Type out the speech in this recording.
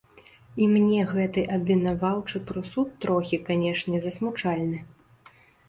І мне гэты абвінаваўчы прысуд трохі, канечне, засмучальны.